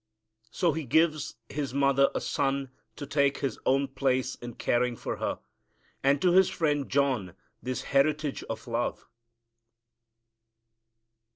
So He gives His mother a son to take His own place in caring for her, and to His friend John this heritage of love.